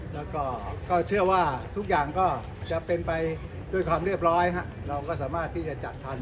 แล้วก็เชื่อว่าทุกอย่างก็จะเป็นไปด้วยความเรียบร้อยเราก็สามารถที่จะจัดทัน